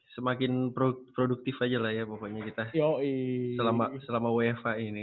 semakin produktif aja lah ya pokoknya kita selama wfh ini